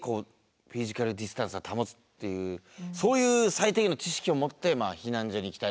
フィジカルディスタンスは保つっていうそういう最低限の知識を持って避難所に行きたいですね。